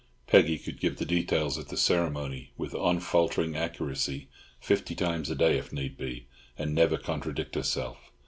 Peggy could give the details of the ceremony with unfaltering accuracy fifty times a day if need be, and never contradict herself.